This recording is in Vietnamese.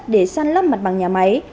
để săn lấp mặt bằng nhà máy